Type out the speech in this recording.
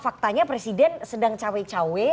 faktanya presiden sedang cawe cawe